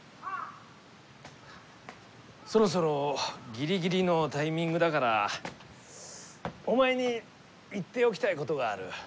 そろそろぎりぎりのタイミングだからお前に言っておきたいことがある。